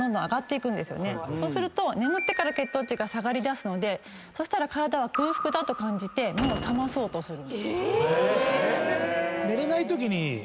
そうすると眠ってから血糖値が下がりだすのでそしたら体は空腹だと感じて目を覚まそうとする。